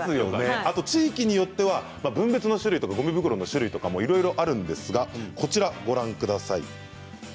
地域によっては分別の種類とかごみ袋の種類がいろいろあるんですがこちらご覧ください。